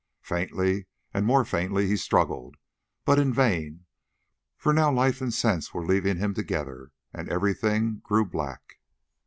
Faintly and more faintly he struggled, but in vain, for now life and sense were leaving him together, and everything grew black.